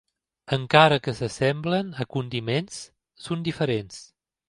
Encara que s'assemblen a condiments, són diferents.